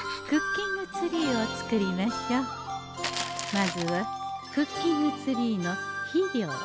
まずはクッキングツリーの肥料